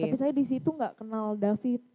tapi saya disitu enggak kenal david